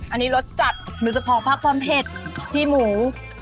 อันนี้รสจัดหรือจะพอพริกความเผ็ดที่หมู